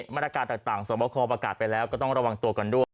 มาตรการต่างสวบคอประกาศไปแล้วก็ต้องระวังตัวกันด้วย